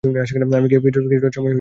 আমি গিয়ে কিছুটা সময় বের করার চেষ্টা করি।